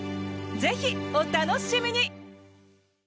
ぜひお楽しみに！